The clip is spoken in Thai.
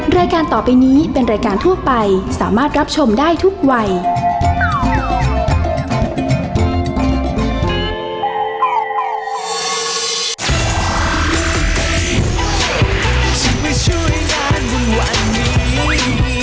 รายการต่อไปนี้เป็นรายการทั่วไปสามารถรับชมได้ทุกวัย